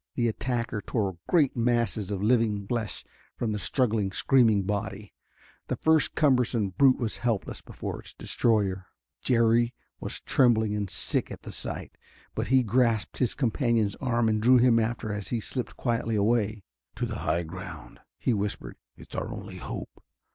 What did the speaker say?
The attacker tore great masses of living flesh from the struggling, screaming body. The first cumbersome brute was helpless before its destroyer. Jerry was trembling and sick at the sight, but he grasped his companion's arm and drew him after as he slipped quietly away. "To the high ground," he whispered. "It's our only hope.